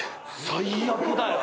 最悪だよ。